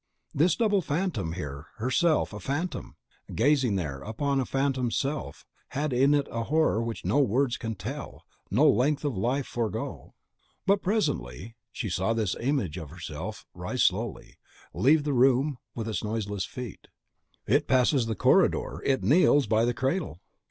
This double phantom here herself a phantom, gazing there upon a phantom self had in it a horror which no words can tell, no length of life forego. But presently she saw this image of herself rise slowly, leave the room with its noiseless feet: it passes the corridor, it kneels by a cradle!